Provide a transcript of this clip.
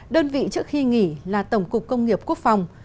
đơn vị trước khi nghỉ là tổng cục công nghiệp quốc phòng